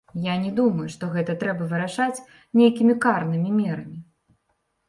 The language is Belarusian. Я не думаю, што гэта трэба вырашаць нейкімі карнымі мерамі.